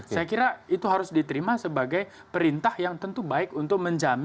saya kira itu harus diterima sebagai perintah yang tentu baik untuk menjamin